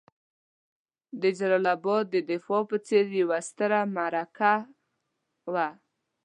د جلال اباد د دفاع په څېر یوه ستره معرکه وه.